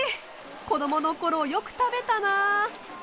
子どもの頃よく食べたなあ。